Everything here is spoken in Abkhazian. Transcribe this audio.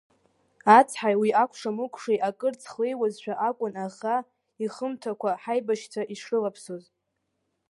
Ацҳаи уи акәша-мыкәшеи акырцх леиуазшәа акәын аӷа ихымҭақәа ҳаибашьцәа ишрылаԥсоз.